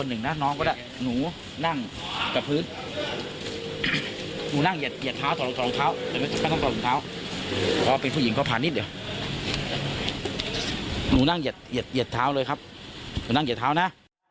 หนูนั่งเหยียดเท้าเลยครับหนูนั่งเหยียดเท้านะ